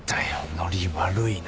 ノリ悪いな。